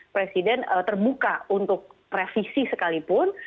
presiden terbuka untuk revisi sekalipun